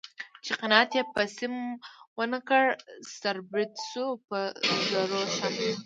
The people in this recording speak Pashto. چې قناعت یې په سیم و نه کړ سر بریده شوه په زرو شمع